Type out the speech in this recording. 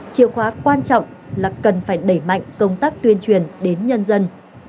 chiều khóa quan trọng là cần phải đẩy mạnh công tác tuyên truyền đến nhân dân